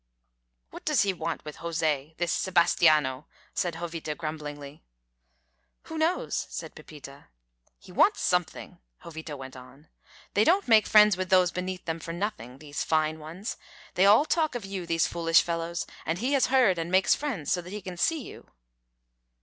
"What does he want with José this Sebastiano?" said Jovita, grumblingly. "Who knows?" said Pepita. "He wants something," Jovita went on. "They don't make friends with those beneath them for nothing, these fine ones. They all talk of you, these foolish fellows, and he has heard, and makes friends so that he can see you."